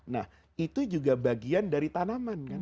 nah itu juga bagian dari tanaman kan